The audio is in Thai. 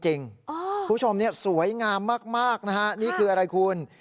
คุณผู้ชมสวยงามมากนะฮะนี่คืออะไรคุณ